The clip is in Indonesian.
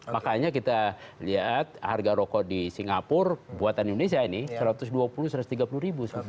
makanya kita lihat harga rokok di singapura buatan indonesia ini rp satu ratus dua puluh satu ratus tiga puluh